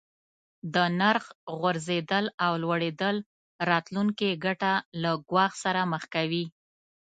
د نرخ غورځیدل او لوړیدل راتلونکې ګټه له ګواښ سره مخ کوي.